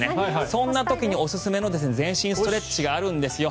そんな時におすすめの全身ストレッチがあるんですよ。